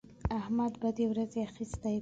احمد بدې ورځې اخيستی دی.